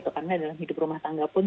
karena dalam hidup rumah tangga pun